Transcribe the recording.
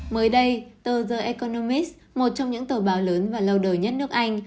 mới đây tờ the economis một trong những tờ báo lớn và lâu đời nhất nước anh